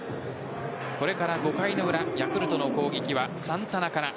これから５回の裏ヤクルトの攻撃はサンタナから。